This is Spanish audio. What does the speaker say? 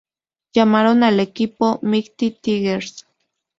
Llamaron al equipo Mighty Tigers.